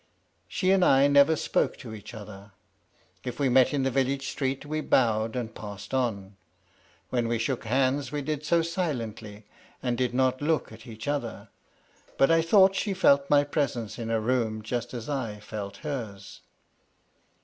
She and I never spoke to each other. If we met in the village street we bowed and passed on; when we shook hands we did so silently, and did not look at each other. But I thought she felt my presence in a room just as I felt hers.